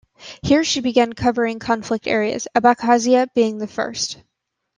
Here she began covering conflict areas-Abkhazia being the first.